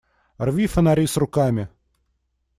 Рви фонари с руками!